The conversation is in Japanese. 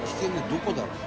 どこだろう？」